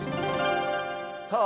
さあ。